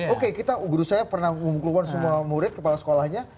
oke kita guru saya pernah mengumpulkan semua murid kepala sekolahnya